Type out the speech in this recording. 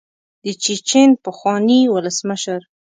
د چیچن پخواني ولسمشر.